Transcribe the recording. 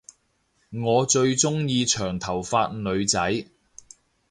我最鐘意長頭髮女仔